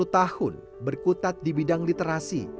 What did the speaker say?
dua puluh tahun berkutat di bidang literasi